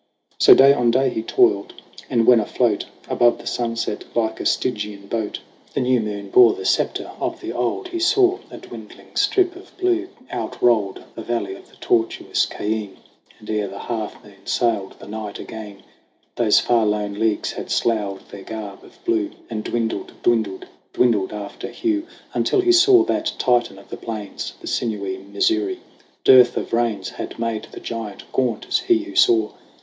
So day on day he toiled : and when, afloat Above the sunset like a stygian boat, THE CRAWL 93 The new moon bore the spectre of the old, He saw a dwindling strip of blue outrolled The valley of the tortuous Cheyenne. And ere the half moon sailed the night again, Those far lone leagues had sloughed their garb of blue, And dwindled, dwindled, dwindled after Hugh, Until he saw that Titan of the plains, The sinewy Missouri. Dearth of rains Had made the Giant gaunt as he who saw.